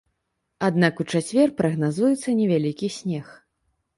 Аднак у чацвер прагназуецца невялікі снег.